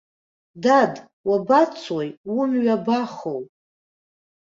Дад, уабацои, умҩа абахоу?